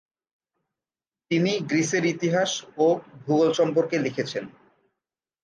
তিনি গ্রিসের ইতিহাস ও ভূগোল সম্পর্কে লিখেছেন।